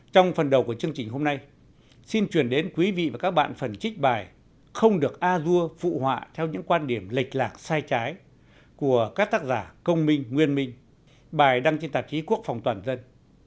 trong phần đầu của chương trình hôm nay xin truyền đến quý vị và các bạn phần trích bài không được a dua phụ họa theo những quan điểm lệch lạc sai trái của các tác giả công minh nguyên minh bài đăng trên tạp chí quốc phòng toàn dân